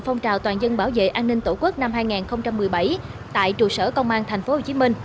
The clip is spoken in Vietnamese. phong trào toàn dân bảo vệ an ninh tổ quốc năm hai nghìn một mươi bảy tại trụ sở công an tp hcm